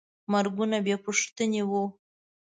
مرګونه بېپوښتنې وو.